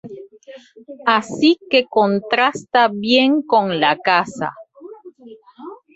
Así que contrasta bien con la casa.